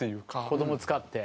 子供使って。